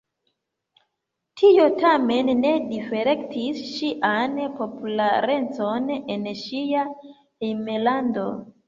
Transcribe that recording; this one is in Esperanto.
Tio tamen ne difektis ŝian popularecon en ŝia hejmlando.